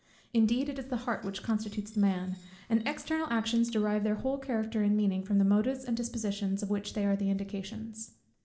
Indeed it is the Heart which constitutes the Man; and external actions derive their whole character and meaning from the motives and dispositions of which they are the indications.